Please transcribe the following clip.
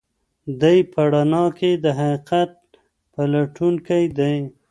دی په رڼا کې د حقیقت پلټونکی دی.